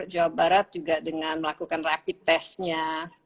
jawa barat juga dengan melakukan rapid testnya